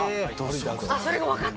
それが分かった？